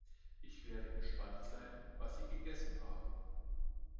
Ich werde gespannt sein, was Sie gegessen haben.